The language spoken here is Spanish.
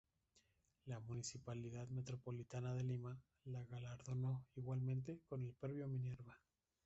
La Municipalidad Metropolitana de Lima, la galardonó, igualmente, con el premio Minerva.